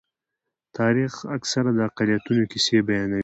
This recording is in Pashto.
تاریخ اکثره د اقلیتونو کیسې بیانوي.